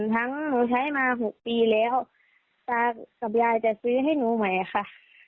หนูใช้มา๖ปีแล้วตากับยายจะซื้อให้หนูใหม่ค่ะ